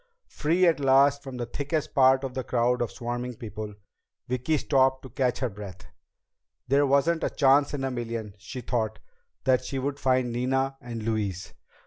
Free at last from the thickest part of the crowd of swarming people, Vicki stopped to catch her breath. There wasn't a chance in a million, she thought, that she would find Nina and Louise.